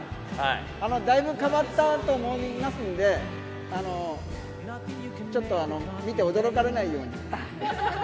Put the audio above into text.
だいぶ変わったと思いますんで、ちょっと見て驚かれないように。